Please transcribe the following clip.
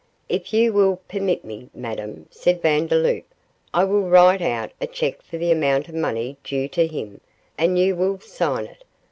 'If you will permit me, Madame,' said Vandeloup, 'I will write out a cheque for the amount of money due to him, and you will sign it.